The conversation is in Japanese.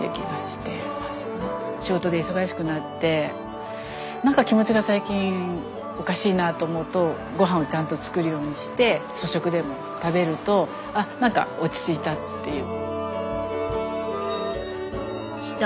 仕事で忙しくなって何か気持ちが最近おかしいなと思うとごはんをちゃんと作るようにして粗食でも食べると何か落ち着いたっていう。